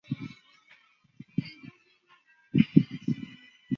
祖父张宗纯。